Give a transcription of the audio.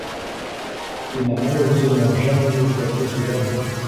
Il n'a malheureusement jamais exploité ce dernier.